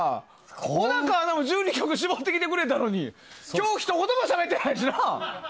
小高も１２曲絞ってきてくれたのに今日、ひと言もしゃべってないしな。